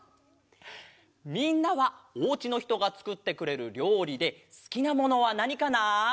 みんなはおうちのひとがつくってくれるりょうりですきなものはなにかな？